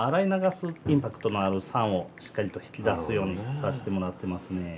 インパクトのある酸をしっかりと引き出すようにさしてもらってますね。